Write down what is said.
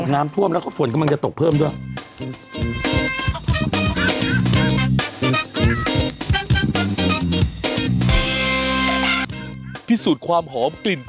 น้ำท่วมแล้วก็ฝนกำลังจะตกเพิ่มด้วย